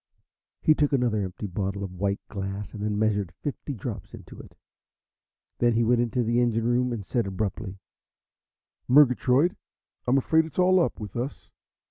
He took another empty bottle of white glass and measured fifty drops into it. Then he went to the engine room and said abruptly: "Murgatroyd, I'm afraid it's all up with us.